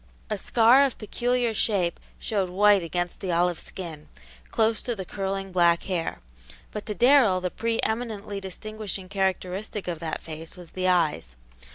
A scar of peculiar shape showed white against the olive skin, close to the curling black hair. But to Darrell the pre eminently distinguishing characteristic of that face was the eyes.